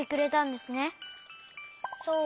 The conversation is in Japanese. そう。